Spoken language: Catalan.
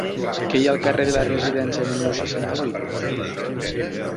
Què hi ha al carrer de la Residència número seixanta-vuit?